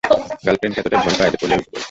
গার্লফ্রেন্ডকে এতটাই ভয় পায় যে পোলেই উঠে পড়ে?